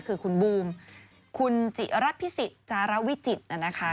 คือคุณบูมคุณจิรัฐพิสิตจารวิจิตนะคะ